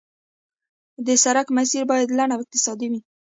د سړک مسیر باید لنډ او اقتصادي وي